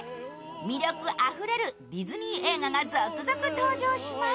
魅力あふれるディズニー映画が続々登場します。